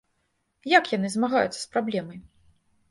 Як яны змагаюцца з праблемай?